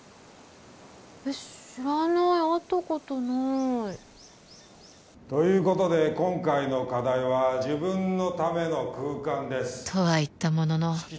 えっ知らない会ったことないということで今回の課題は「自分のための空間」ですとは言ったものの